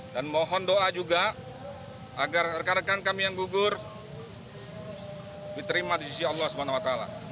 mohon doa juga agar rekan rekan kami yang gugur diterima di sisi allah swt